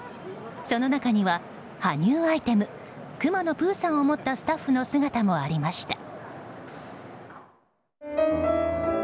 その中には羽生アイテムくまのプーさんを持ったスタッフの姿もありました。